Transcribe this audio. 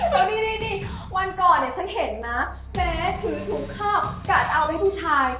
แล้วนี่วันก่อนฉันเห็นนะแฟสถูกครับการทาวน์ให้ผู้ชาย